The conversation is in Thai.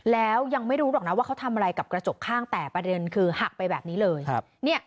แล้วยังไม่รู้หรอกนะว่าเขาทำอะไรกับกระจกข้างแต่ประเด็นคือหักไปแบบนี้เลย